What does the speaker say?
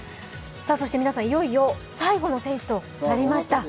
そして皆さん、いよいよ最後の選手となりました。